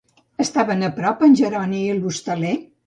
Estaven a prop, en Jeroni i l'hostaler?